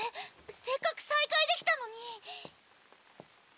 せっかく再会できたのに！